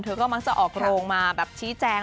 ก็มักจะออกโรงมาแบบชี้แจง